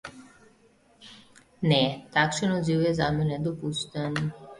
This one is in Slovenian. Ne, takšen odziv je zame nedopusten.